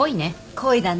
恋だね。